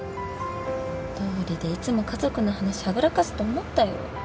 どうりでいつも家族の話はぐらかすと思ったよ。